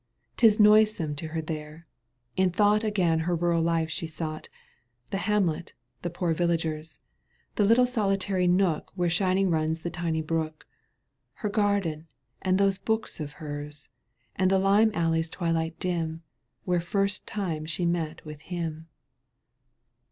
I 'Tis noisome to her there : in thought " Again her rural life she sought, \ The hamlet, the poor villagers, The little solitary nook Where shining runs the tiny brook, Her garden, and those books of hers. And the lime alley's twilight dim Where the first time she met with Aim.